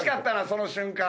その瞬間。